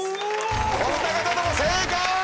お二方とも正解！